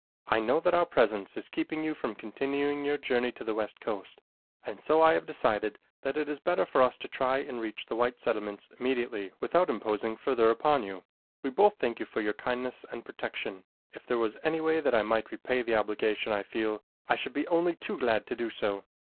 I know that our presence is keeping you from continuing your journey to the west coast, and so I have decided that it is better for us to try and reach the white settlements immediately without imposing further upon you. We both thank you for your kindness and protection. If there was any way that I might repay the obligation I feel, I should be only too glad to do so.